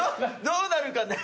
どうなるかね。